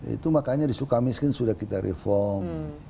itu makanya di sukamiskin sudah kita reform